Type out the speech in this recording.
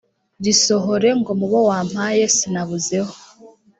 risohore ngo mu bo wampaye sinabuzeho